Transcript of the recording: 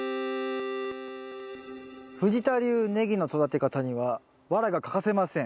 藤田流ネギの育て方にはワラが欠かせません。